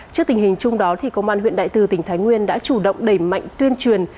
trước tình hình chung đó công an huyện đại từ tỉnh thái nguyên đã chủ động đẩy mạnh tuyên truyền